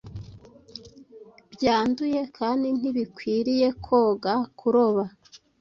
byanduye kandi ntibikwiriye koga, kuroba,